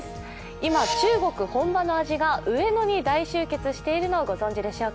今中国本場の味が上野に大集結しているのをご存じでしょうか？